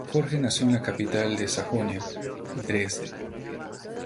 Jorge nació en la capital de Sajonia, Dresde.